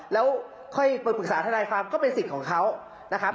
แล้วค่อยไปปรึกษาทนายความก็เป็นสิทธิ์ของเขานะครับ